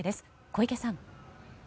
小池さん。